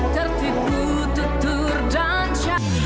tertipu tutur dan cah